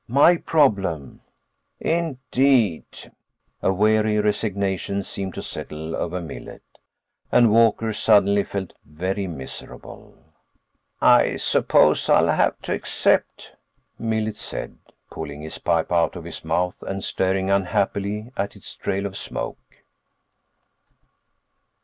"My problem." "Indeed." A weary resignation seemed to settle over Millet, and Walker suddenly felt very miserable. "I suppose I'll have to accept," Millet said, pulling his pipe out of his mouth and staring unhappily at its trail of smoke.